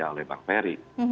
oleh bang ferry